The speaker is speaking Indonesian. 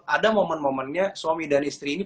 ada momen momennya suami dan istri ini